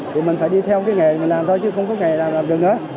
thì mình phải đi theo cái nghề mình làm thôi chứ không có nghề làm được hết